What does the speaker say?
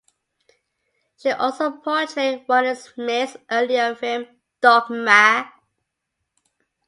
She also portrayed one in Smith's earlier film "Dogma".